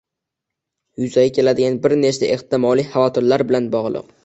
yuzaga keladigan bir necha ehtimoliy xavotirlar bilan bog‘liq.